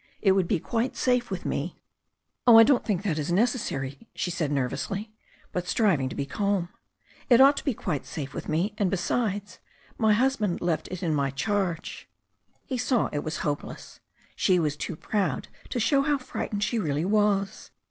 It would be quite safe with me." "Oh, I don't think that is necessary," she said nervously, but striving to be calm. "It ought to be quite safe with me. And besides, my husband left it in my charge." He saw it was hopeless. She was too proud to show how frightened she really was.